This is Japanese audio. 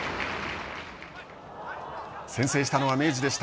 先制したのは明治でした。